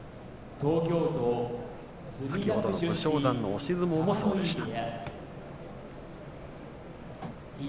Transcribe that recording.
先ほどの武将山の押し相撲もそうでした。